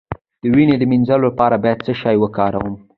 د وینې د مینځلو لپاره باید څه شی وکاروم؟